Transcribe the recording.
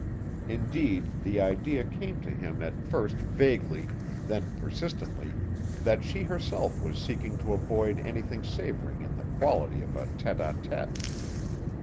Indeed the idea came to him at first vaguely, then persistently, that she herself was seeking to avoid anything savoring of the quality of a tête à tête.